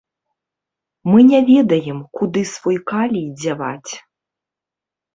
Мы не ведаем, куды свой калій дзяваць.